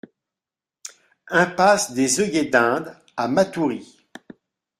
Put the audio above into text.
Impasse des Œillets d'Inde à Matoury